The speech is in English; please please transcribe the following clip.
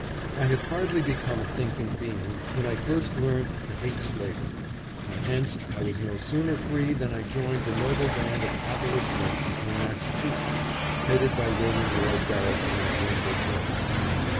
I had hardly become a thinking being when I first learned to hate slavery, and hence I was no sooner free than I joined the noble band of Abolitionists in Massachusetts, headed by William Lloyd Garrison and Wendell Phillips.